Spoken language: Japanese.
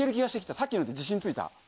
さっきので自信ついた。